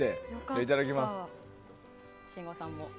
いただきます。